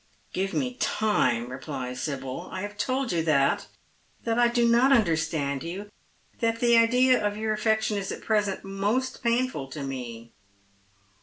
" Give mo time," replies Sibyl. " T have told you that — that I do not understand you — that the idea of your affection is at present most painful to me.